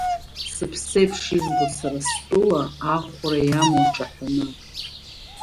Сыԥсеиԥш избо сара стәыла ахәра иамоу ҿаҳәаны.